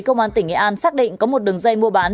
công an tỉnh nghệ an xác định có một đường dây mua bán